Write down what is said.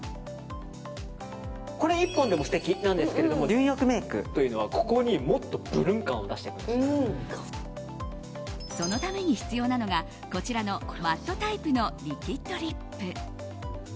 これ１本でも素敵なんですけど純欲メイクというのはここにもっとぶるん感をそのために必要なのがこちらのマットタイプのリキッドリップ。